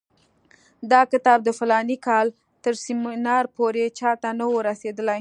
دا کتاب د فلاني کال تر سیمینار پورې چا ته نه وو رسېدلی.